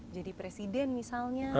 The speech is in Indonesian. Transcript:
jadi presiden misalnya